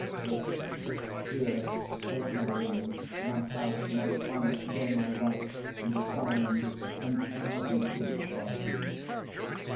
BERTRAM. Here, take my ring; My house, mine honour, yea, my life be thine, And I'll be bid by thee.